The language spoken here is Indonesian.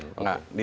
oh enggak enggak